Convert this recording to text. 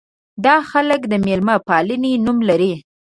دا خلک د مېلمه پالنې نوم لري.